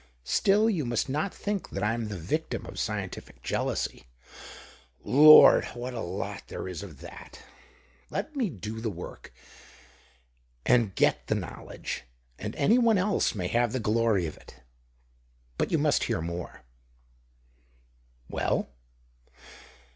Still, you must not think that I'm the victim of scientific jealousy. Lord, what a lot there is of that ! Let me do the work, and o et the THE OCTAVE OF CLAUDIUS. 107 knowledge — and any one else may have the glory of it. But you must hear more." " Well